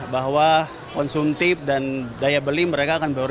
bahwa konsumtif dan daya beli mereka akan berubah